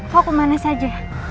kau kemana saja